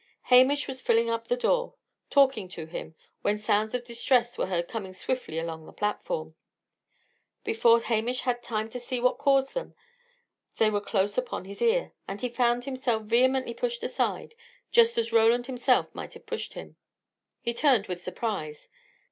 Hamish was filling up the door, talking to him, when sounds of distress were heard coming swiftly along the platform. Before Hamish had time to see what caused them, they were close upon his ear, and he found himself vehemently pushed aside, just as Roland himself might have pushed him. He turned with surprise.